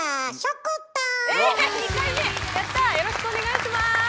やったよろしくお願いします。